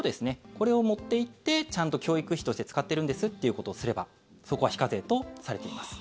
これを持っていってちゃんと教育費として使ってるんですということをすればそこは非課税とされています。